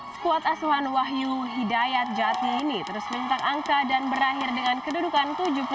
skuad asuhan wahyu hidayat jati ini terus melintak angka dan berakhir dengan kedudukan tujuh puluh tujuh puluh enam